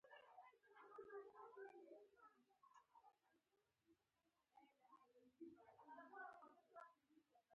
دریمه قوه د دولت قضاییه قوه بلل کیږي.